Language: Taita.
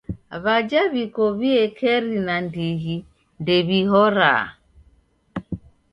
W'aja w'iko w'iekeri nandighi ndew'ihoraa.